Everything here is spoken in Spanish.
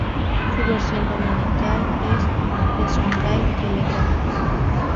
Su versión dominical es "The Sunday Telegraph".